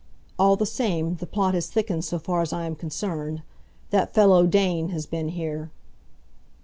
"All the same, the plot has thickened so far as I am concerned. That fellow Dane has been here."